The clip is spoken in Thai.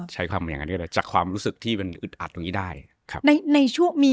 ใช้คำมันอย่างนั้นก็ได้จากความรู้สึกที่มันอึดอัดตรงนี้ได้